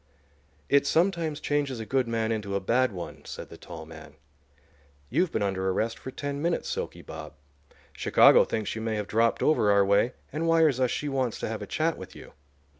"It sometimes changes a good man into a bad one," said the tall man. "You've been under arrest for ten minutes, 'Silky' Bob. Chicago thinks you may have dropped over our way and wires us she wants to have a chat with you.